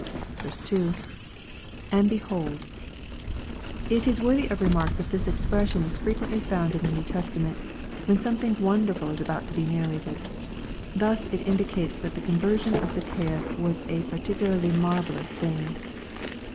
/ 2. — [And behold.] It is worthy of remark that this expression is ( frequently found in the New Testament, when somethiug wonder i Inl is about to be narrated. Thus it indicates that the conversion of Zacchaeus was a peculiarly marvellous thing.